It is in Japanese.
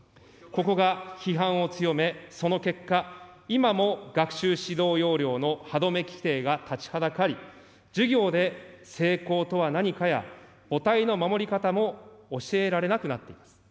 ここが批判を強め、その結果、今も学習指導要領の歯止め規定が立ちはだかり、授業で性交とは何かや、母体の守り方も教えられなくなっています。